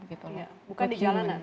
bukan di jalanan